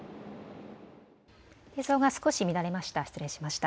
映像が少し乱れました。